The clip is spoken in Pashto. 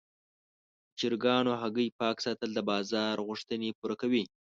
د چرګانو هګۍ پاک ساتل د بازار غوښتنې پوره کوي.